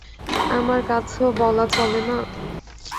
আমার কাছেও বলা চলে না?